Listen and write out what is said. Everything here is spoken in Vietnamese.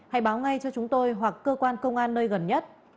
hãy báo ngay cho chúng tôi hoặc cơ quan công an nơi gần nhất